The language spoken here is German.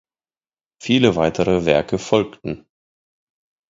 Viele weitere Werke folgten.